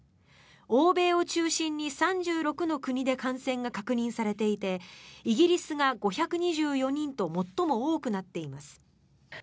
欧米を中心に３６の国で感染が確認されていてイギリスが５２４人と最も多くなっています。